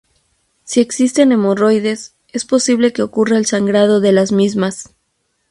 Si existen hemorroides, es posible que ocurra el sangrado de las mismas.